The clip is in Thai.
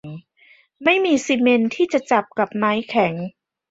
ไม่มีซีเมนต์ที่จะจับกับไม้แข็ง